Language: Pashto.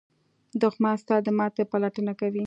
دښمن ستا د ماتې پلټنه کوي